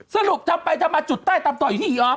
สรุปทำไมจะมาจุดใต้ต่อนี่นี่ออฟ